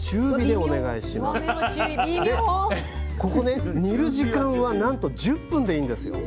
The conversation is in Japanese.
でここね煮る時間はなんと１０分でいいんですよ。